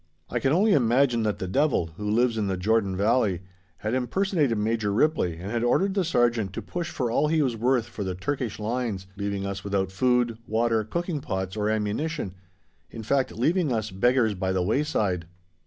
I can only imagine that the devil, who lives in the Jordan Valley, had impersonated Major Ripley and had ordered the sergeant to push for all he was worth for the Turkish lines, leaving us without food, water, cooking pots, or ammunition in fact leaving us "beggars by the wayside."